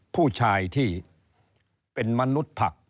ผู้ชายที่เป็นมนุษย์ผัก